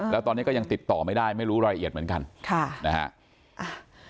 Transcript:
แล้วตอนนี้ก็ยังติดต่อไม่ได้ไม่รู้รายละเอียดเหมือนกันค่ะนะฮะ